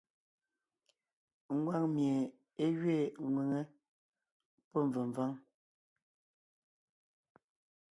Ngwáŋ mie é gẅiin ŋwʉ̀ŋe (P), pɔ́ mvèmváŋ (K).